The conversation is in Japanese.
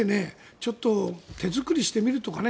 ちょっと手作りしてみるとかね。